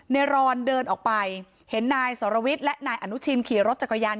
รอนเดินออกไปเห็นนายสรวิทย์และนายอนุชินขี่รถจักรยาน